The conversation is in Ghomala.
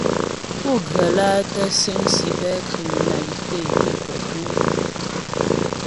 Pú ghə́ lǎ tə́ síŋ cybercriminalité bǐ kətú' ?